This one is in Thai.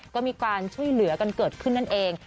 ก็มีการช่วยเหลือกันเกิดขึ้นนั่นเอง